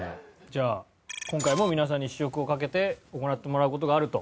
じゃあ今回も皆さんに試食をかけて行ってもらう事があると。